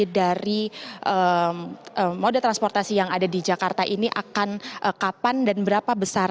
dari moda transportasi yang ada di jakarta ini akan kapan dan berapa besar